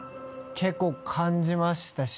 結構感じましたし。